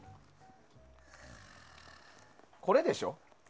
これでしょ。